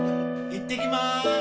行ってきまーす！